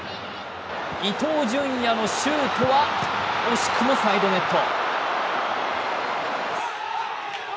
伊東純也のシュートは惜しくもサイドネット。